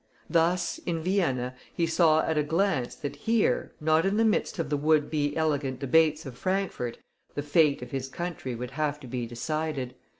Thus, in Vienna, he saw at a glance that here, not in the midst of the would be elegant debates of Frankfort, the fate of his country would have to be decided.